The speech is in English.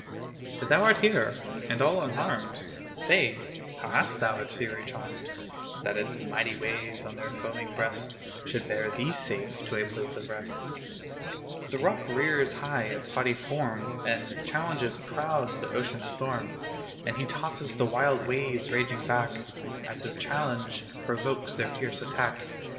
But thou art here, and all unharmed! Say, how hast thou its fury charmed, That its mighty waves on their foaming breast Should bear thee safe to a place of rest? The rock rears high his haughty form, And challenges proud the ocean storm; And he tosses the wild waves raging back, As his challenge provokes their fierce attack.